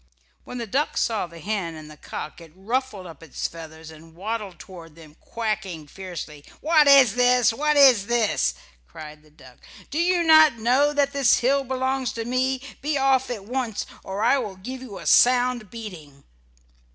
When the duck saw the hen and the cock it ruffled up its feathers and waddled toward them, quacking fiercely. "What is this! What is this!" cried the duck. "Do you not know that this hill belongs to me? Be off at once or I will give you a sound beating."